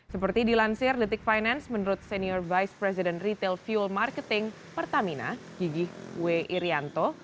seperti dilansir detik finance menurut senior vice president retail fuel marketing pertamina gigi w irianto